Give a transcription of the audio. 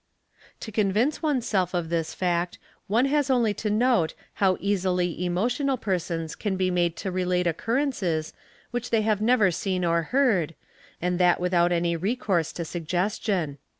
| 7 To convince oneself of this fact, one has only to note how easily emotional persons can be made to relate occurrences which they have never seen or heard, and that without any recourse to suggestion.